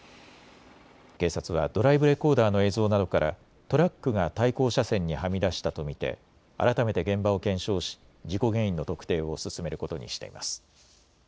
警察はドライブレコーダーの映像などからトラックが対向車線にはみ出したと見て改めて現場を検証し、事故原因の特定を進めることにしています。